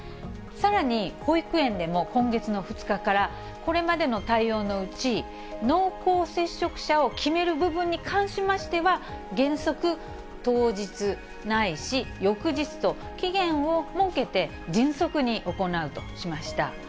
さらに保育園でも今月の２日から、これまでの対応のうち、濃厚接触者を決める部分に関しましては、原則、当日ないし翌日と、期限を設けて迅速に行うとしました。